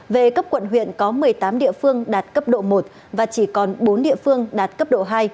về cấp quận huyện có một mươi tám địa phương đạt cấp độ một và chỉ còn bốn địa phương đạt cấp độ hai